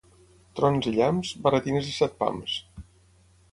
Trons i llamps, barretines de set pams.